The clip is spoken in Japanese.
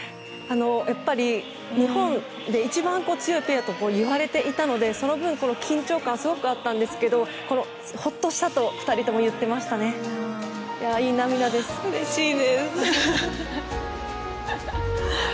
やっぱり日本で一番強いペアと言われていたのでその分、緊張感がすごくあったんですけどホッとしたと２人とも言っていましたね。